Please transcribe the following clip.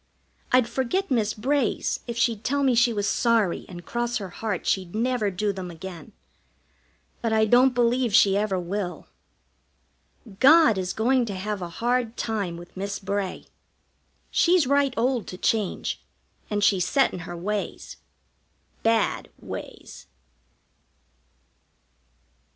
I'd forget Miss Bray's if she'd tell me she was sorry and cross her heart she'd never do them again. But I don't believe she ever will. God is going to have a hard time with Miss Bray. She's right old to change, and she's set in her ways bad ways.